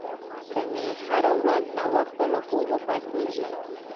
سمیع هره ورځ ناوخته له خوبه پاڅیږي